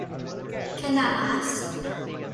Can that last?